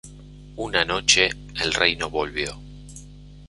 Una noche, el Rey no volvió.